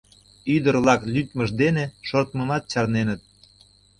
Ӱдыр-влак лӱдмышт дене шортмымат чарненыт.